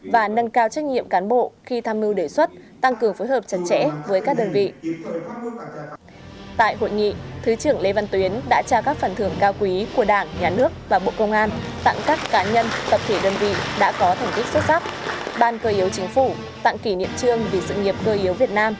và nâng cao trách nhiệm cán bộ khi tham mưu đề xuất tăng cường phối hợp chặt chẽ với các đơn vị